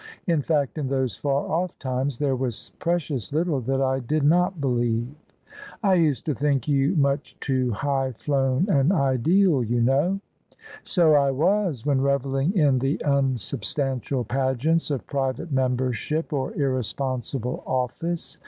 In fact in those far oflE times there was precious little that I did not believe." " I used to think you much too high flown and ideal, you know." " So I was when revelling in the unsubstantial pageants of private membership or irresponsible oflSce.